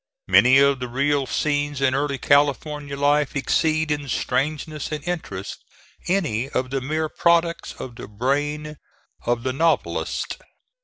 Many of the real scenes in early California life exceed in strangeness and interest any of the mere products of the brain of the novelist.